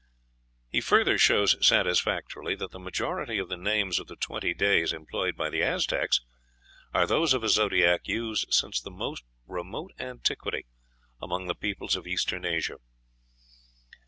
He further shows satisfactorily that the majority of the names of the twenty days employed by the Aztecs are those of a zodiac used since the most remote antiquity among the peoples of Eastern Asia.